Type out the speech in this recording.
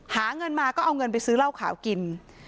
หาเงินมาก็เอาเงินไปซื้อเหล้าขาวกิน